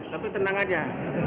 tapi tenang aja